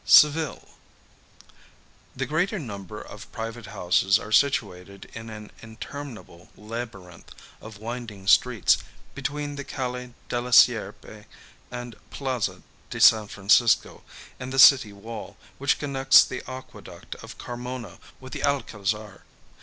Seville. The greater number of private houses are situated in an interminable labyrinth of winding streets, between the Calle de la Sierpe, and Plaza de San Francisco and the city wall, which connects the Aqueduct of Carmona with the Alcazar.